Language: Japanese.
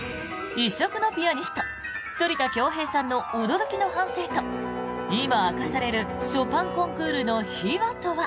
異色のピアニスト反田恭平さんの驚きの半生と、今明かされるショパンコンクールの秘話とは。